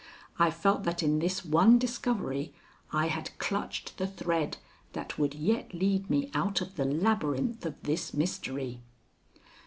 I felt that in this one discovery I had clutched the thread that would yet lead me out of the labyrinth of this mystery.